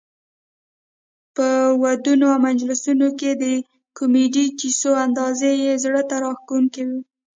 په ودونو او مجلسونو کې د کمیډي کیسو انداز یې زړه ته راښکوونکی وو.